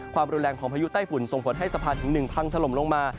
ความรุนแรงของพายุใต้ฝุ่นส่งผลให้สะพานถึง๑พังถล่มลงมา